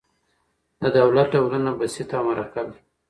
د دولت ډولونه بسیط او مرکب دي.